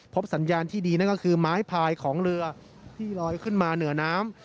สัญญาณที่ดีนั่นก็คือไม้พายของเรือที่ลอยขึ้นมาเหนือน้ำ